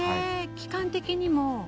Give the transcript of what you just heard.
期間的にも。